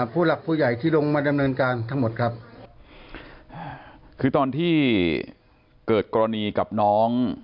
ผู้หลักผู้ใหญ่ที่ลงมาดำเนินการทั้งหมดครับคือตอนที่เกิดกรณีกับน้อง